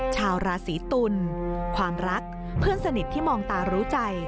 ชาวราศีตุลความรักเพื่อนสนิทที่มองตารู้ใจ